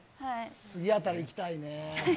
次あたりいきたいね。